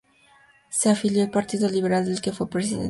Se afilió al partido Liberal, del que fue presidente.